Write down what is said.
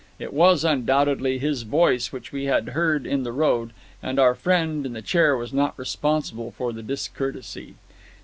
It was, undoubtedly, his voice which we had heard in the road, and our friend in the chair was not responsible for the discourtesy.